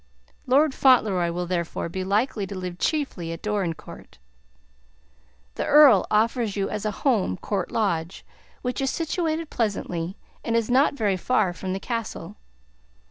Lord Fauntleroy will, therefore, be likely to live chiefly at Dorincourt. The Earl offers you as a home Court Lodge, which is situated pleasantly, and is not very far from the castle.